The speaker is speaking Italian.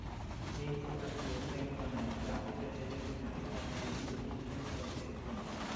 Le informazioni vengono analizzate per determinare quali geni codificano polipeptidi.